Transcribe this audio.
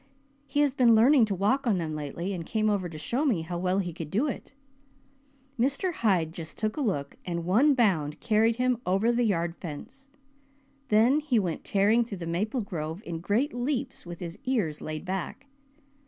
He has been learning to walk on them lately and came over to show me how well he could do it. Mr. Hyde just took a look and one bound carried him over the yard fence. Then he went tearing through the maple grove in great leaps with his ears laid back.